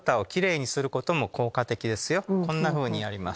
こんなふうにやります。